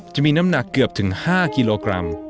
จะมีน้ำหนักเกือบถึง๕กิโลกรัม